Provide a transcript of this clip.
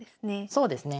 そうですね。